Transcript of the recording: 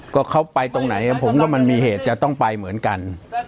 ก็เขาไปตรงไหนผมว่ามันมีเหตุจะต้องไปเหมือนกัน